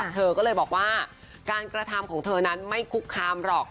เธอก็เลยบอกว่าการกระทำของเธอนั้นไม่คุกคามหรอก